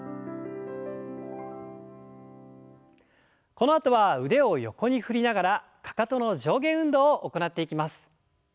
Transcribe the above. このあとは腕を横に振りながらかかとの上下運動を行っていきます。